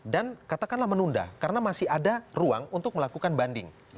dan katakanlah menunda karena masih ada ruang untuk melakukan banding